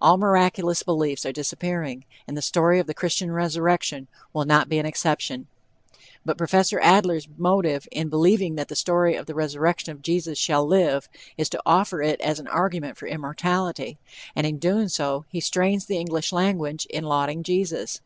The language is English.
All miraculous beliefs are disappearing, and the story of the Christian resurrection will not be an exception. But Prof. Adler's motive in believing that the story of the resurrection of Jesus shall live, is to offer it as an argument for immortality, and in so doing he strains the English language in lauding Jesus.